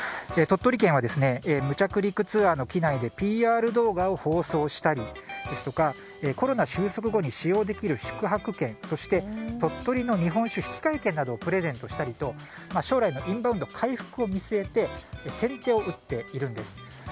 鳥取県は無着陸ツアーの機内でＰＲ動画を放送したりですとかコロナ収束後に使用できる宿泊券そして、鳥取の日本酒引換券をプレゼントしたりと、将来のインバウンド回復を見据えて先手を打っているんです。